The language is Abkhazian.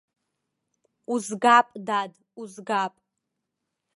Узгап, дад, узгап!